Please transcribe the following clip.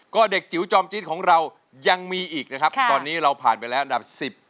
ก็เด็กจิ๋วจอมจี๊ดของเรายังมีอีกนะครับตอนนี้เราผ่านไปแล้วอันดับ๑๐